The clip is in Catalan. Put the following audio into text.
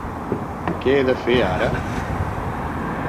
Què he de fer ara?